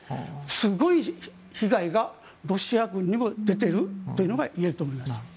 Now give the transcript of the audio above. すごい被害がロシア軍にも出ているというのが言えると思います。